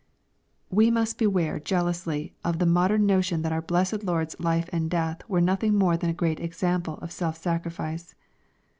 We must beware jealously of the modern notion that our blessed Lord's life and death were nothing more than a great example of self sacrifice.